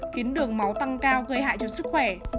khiến đường máu tăng cao gây hại cho sức khỏe